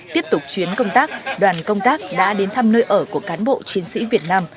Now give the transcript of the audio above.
tiếp tục chuyến công tác đoàn công tác đã đến thăm nơi ở của cán bộ chiến sĩ việt nam